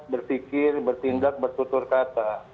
berpikir bertindak bertutur kata